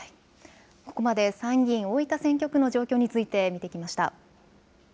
ここまで参議院大分選挙区の状況について見てきました。